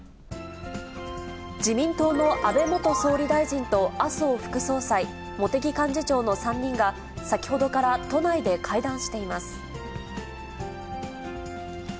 自民党の安倍元総理大臣と、麻生副総裁、茂木幹事長の３人が、先ほどから都内で会談しています。